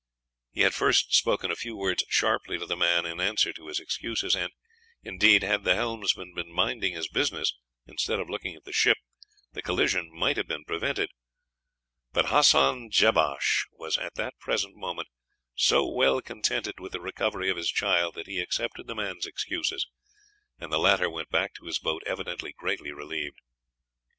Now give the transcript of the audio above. He had first spoken a few words sharply to the man in answer to his excuses, and, indeed, had the helmsman been minding his business instead of looking at the ship, the collision might have been prevented; but Hassan Jebash was at the present moment so well contented with the recovery of his child that he accepted the man's excuses, and the latter went back to his boat evidently greatly relieved.